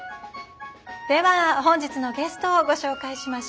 では本日のゲストをご紹介しましょう。